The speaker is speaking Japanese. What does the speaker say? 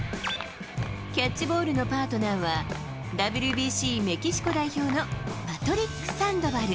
キャッチボールのパートナーは、ＷＢＣメキシコ代表のパトリック・サンドバル。